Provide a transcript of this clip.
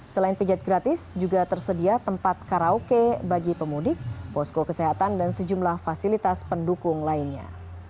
selain pijat gratis juga tersedia tempat karaoke bagi pemudik posko kesehatan dan sejumlah fasilitas pendukung lainnya